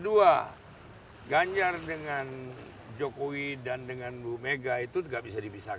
kedua ganjar dengan jokowi dan dengan bu mega itu tidak bisa dipisahkan